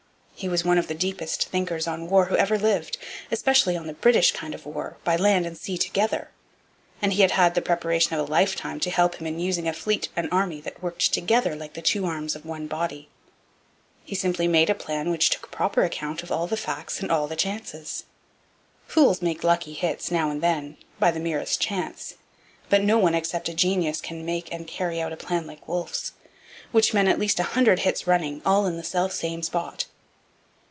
He was one of the deepest thinkers on war who ever lived, especially on the British kind of war, by land and sea together; and he had had the preparation of a lifetime to help him in using a fleet and army that worked together like the two arms of one body. He simply made a plan which took proper account of all the facts and all the chances. Fools make lucky hits, now and then, by the merest chance. But no one except a genius can make and carry out a plan like Wolfe's, which meant at least a hundred hits running, all in the selfsame spot.